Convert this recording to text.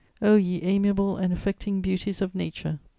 O ye amiable and affecting beauties of nature!